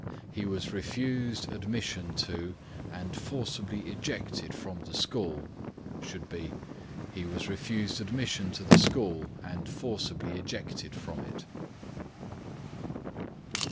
"He was refused admission to and forcibly ejected from the school" should be "He was refused admission to the school and forcibly ejected from it."